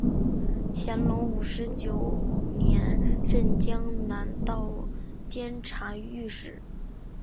乾隆五十九年任江南道监察御史。